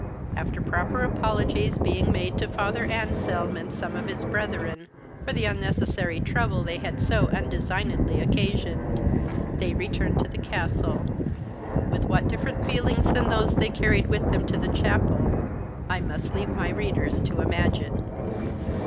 After proper apologies being made to father Anselm, and some of his brethren, for the unnecessary trouble they had so undesignedly occasioned, they returned to the castle, with what different feelings than those they carried with them to the chapel I must leave my readers to imagine.